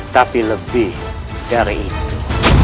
tapi lebih dari itu